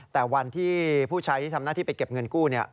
แต่วันที่ผู้ใช้ที่ทำหน้าที่ไปเก็บเงินกู้